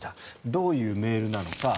どういうメールなのか。